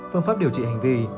phương pháp điều trị hành vi